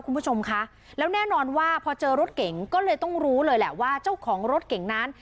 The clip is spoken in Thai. คุณผู้ชมคะแล้วแน่นอนว่าพอเจอรถเก่งก็เลยต้องรู้เลยแหละว่าเจ้าของรถเก่งนั้น